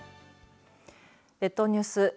列島ニュース